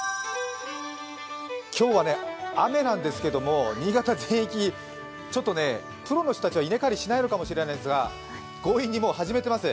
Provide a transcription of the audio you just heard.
今日は雨なんですけども、新潟全域、プロの人たちは稲刈りしないのかもしれませんが強引に始めてます。